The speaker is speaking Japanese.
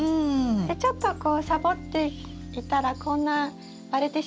ちょっとこうサボっていたらこんな割れてしまいました。